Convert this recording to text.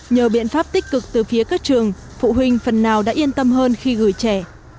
nhờ biện pháp tích cực từ phía các trường phụ huynh phần nào đã yên tâm hơn khi gửi trẻ